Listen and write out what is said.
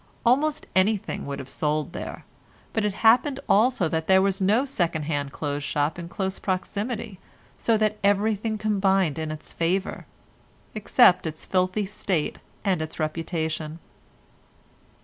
Almost anything would have sold there, but it happened also that there was no second hand clothes shop in close proximity so that everything combined in its favour, except its filthy state and its reputation.